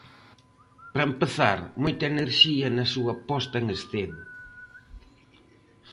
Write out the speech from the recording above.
Para empezar, moita enerxía na súa posta en escena.